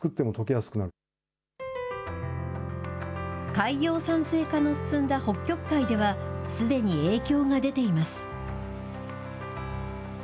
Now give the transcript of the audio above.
海洋酸性化の進んだ北極海では、すでに影響が出ています。